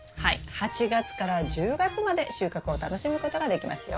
８月から１０月まで収穫を楽しむことができますよ。